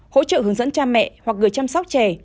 hỗ trợ hướng dẫn cha mẹ hoặc người chăm sóc trẻ